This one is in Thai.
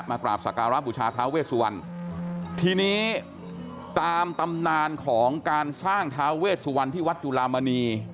กราบสการะบูชาท้าเวสวันทีนี้ตามตำนานของการสร้างท้าเวสวันที่วัดจุลามณี